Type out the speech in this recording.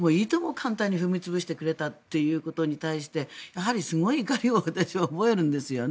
簡単に踏み潰してくれたということに対してやはりすごい怒りを私は覚えるんですよね。